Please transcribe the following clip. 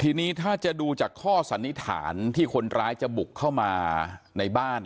ทีนี้ถ้าจะดูจากข้อสันนิษฐานที่คนร้ายจะบุกเข้ามาในบ้าน